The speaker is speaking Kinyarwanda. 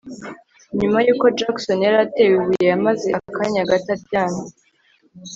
Nyuma yuko Jackson yari atewe ibuye yamaze akanya gato aryamye